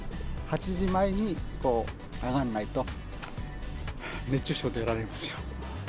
８時前に上がんないと、熱中症でやられますよ。